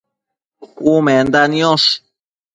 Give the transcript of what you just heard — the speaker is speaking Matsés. Umenda niosh